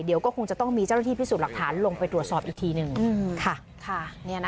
เดี๋ยวก็คงจะต้องมีเจ้าหน้าที่พิสูจน์หลักฐานลงไปตรวจสอบอีกทีหนึ่งค่ะ